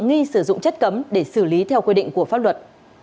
nghi sử dụng chất cấm để xử lý theo quy định của pháp luật